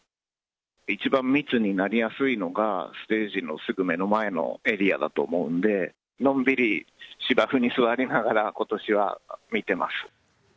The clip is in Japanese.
一番密になりやすいのが、ステージのすぐ目の前のエリアだと思うんで、のんびり芝生に座りながら、ことしは見てます。